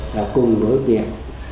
là cùng đối biện